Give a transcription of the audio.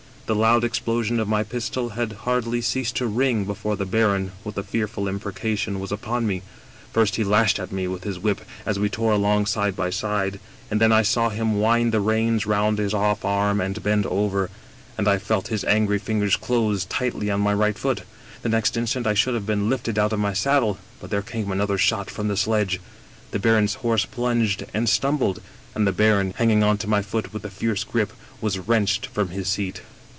The loud explosion of my pistol had hardly ceased to ring before the baron, with a fearful im precation, was upon me. First he lashed at me with his whip as we tore along side by side, and then I saw him wind the reins round his off arm and bend over, and I felt his angry fingers close tightly on my right foot. The next instant I should have been lifted out of my saddle, but there came another shot from the sledge. The baron's horse plunged and stumbled, and the baron, hanging on to my foot with a fierce grip, was wrenched from his seat.